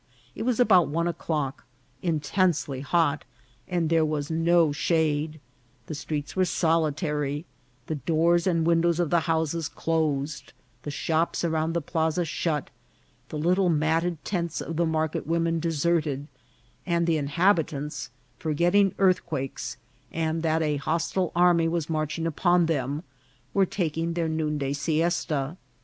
It was about one o'clock, intensely hot, and there was no shade ; the streets were solitary, the doors and windows of the houses closed, the shops around the plaza shut, the little matted tents of the market women deserted, and the inhabitants, forgetting earthquakes, and that a hos tile army was marching upon them, were taking their noonday siesta.